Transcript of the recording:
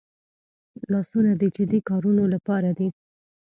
لاسونه د جدي کارونو لپاره دي